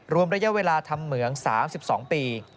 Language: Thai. รวมระยะเวลาทำเหมือง๓๒ปี